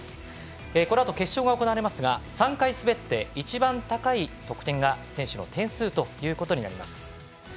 このあと決勝が行われますが３回滑って一番高い得点が選手の点数となります。